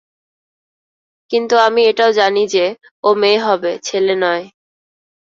কিন্তু আমি এটাও জানি যে ও মেয়ে হবে, ছেলে নয়।